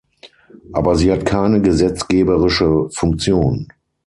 Aber sie hat keine gesetzgeberische Funktion.